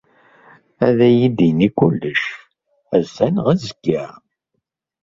Ad iyi-d-yini kullec, ass-a neɣ azekka.